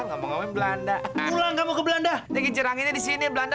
ngomong ngomong belanda pulang kamu ke belanda jadi jerangnya di sini belanda